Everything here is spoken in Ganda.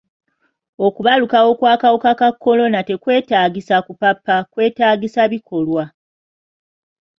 Okubalukawo kw'akawuka ka kolona tekwetaagisa kupapa, kwetaagisa bikolwa.